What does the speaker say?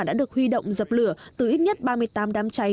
đã được huy động dập lửa từ ít nhất ba mươi tám đám cháy